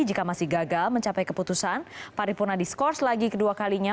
jika masih gagal mencapai keputusan paripurna diskors lagi kedua kalinya